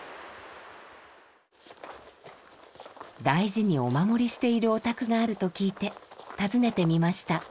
大事にお守りしているお宅があると聞いて訪ねてみました。